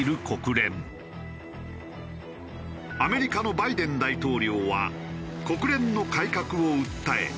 アメリカのバイデン大統領は国連の改革を訴え